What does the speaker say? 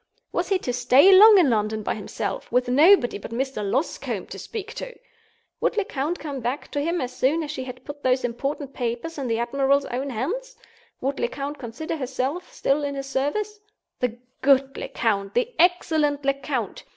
Was he to stay long in London by himself, with nobody but Mr. Loscombe to speak to? Would Lecount come back to him as soon as she had put those important papers in the admiral's own hands? Would Lecount consider herself still in his service? The good Lecount! the excellent Lecount!